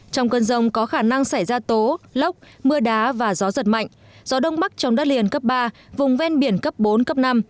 trong cơn rông có khả năng xảy ra tố lốc mưa đá và gió giật mạnh gió đông bắc trong đất liền cấp ba vùng ven biển cấp bốn cấp năm